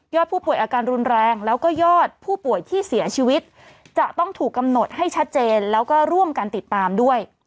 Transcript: ผู้ป่วยอาการรุนแรงแล้วก็ยอดผู้ป่วยที่เสียชีวิตจะต้องถูกกำหนดให้ชัดเจนแล้วก็ร่วมกันติดตามด้วย